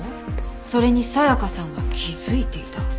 それに紗香さんは気づいていた。